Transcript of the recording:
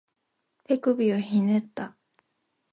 手首をひねった